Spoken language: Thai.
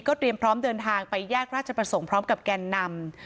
เตรียมพร้อมเดินทางไปแยกราชประสงค์พร้อมกับแกนนำ